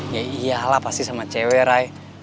ya iyalah pasti sama cewek